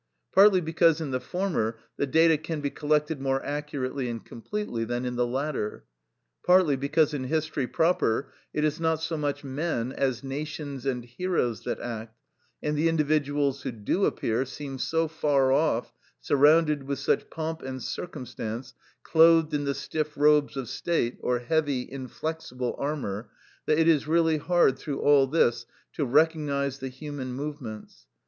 Partly because in the former the data can be collected more accurately and completely than in the latter; partly, because in history proper, it is not so much men as nations and heroes that act, and the individuals who do appear, seem so far off, surrounded with such pomp and circumstance, clothed in the stiff robes of state, or heavy, inflexible armour, that it is really hard through all this to recognise the human movements.